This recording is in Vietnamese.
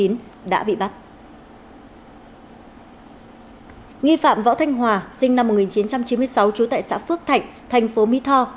nghi phạm võ thanh hòa sinh năm một nghìn chín trăm chín mươi sáu trú tại xã phước thạnh thành phố mỹ tho